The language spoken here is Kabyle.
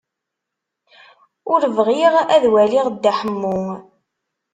Ur bɣiɣ ad waliɣ Dda Ḥemmu.